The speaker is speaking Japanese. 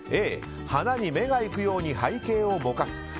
Ａ、花に目が行くように背景をぼかす。